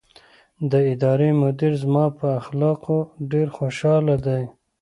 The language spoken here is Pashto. د ادارې مدیر زما په اخلاقو ډېر خوشحاله دی.